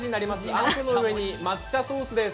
あんこの上に抹茶ソースです。